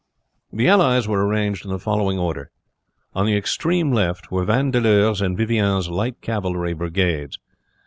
The allies were arranged in the following order: On the extreme left were Vandeleur's and Vivian's light cavalry brigades.